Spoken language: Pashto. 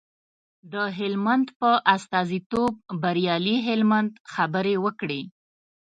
د هلمند په استازیتوب بریالي هلمند خبرې وکړې.